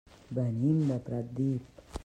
Venim de Pratdip.